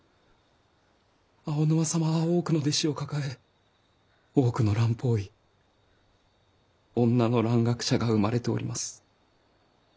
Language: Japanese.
青沼様は多くの弟子を抱え多くの蘭方医女の蘭学者が生まれております。